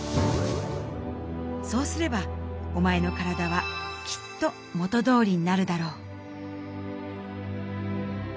そうすればおまえの体はきっと元どおりになるだろう」。